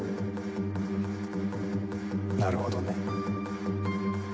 なるほどね。